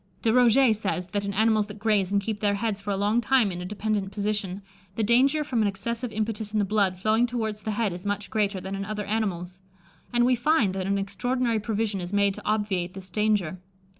De Roget says, that in animals that graze and keep their heads for a long time in a dependent position, the danger from an excessive impetus in the blood flowing towards the head is much greater than in other animals; and we find that an extraordinary provision is made to obviate this danger.